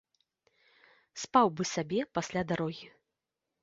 Спаў бы сабе пасля дарогі.